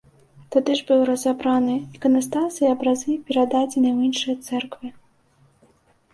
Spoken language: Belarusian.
Тады ж быў разабраны іканастас і абразы перададзены ў іншыя цэрквы.